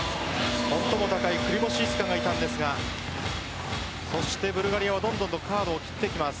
最も高いクリボシイスカがいたんですがブルガリアはどんどんカードを切っていきます。